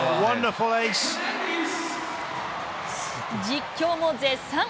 実況も絶賛。